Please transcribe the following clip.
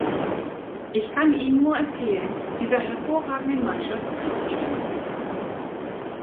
Ich kann Ihnen nur empfehlen, dieser hervorragenden Mannschaft zuzustimmen!